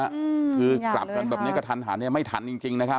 อยากเลยคือกลับแบบนี้ก็ทันทันไม่ทันจริงนะครับ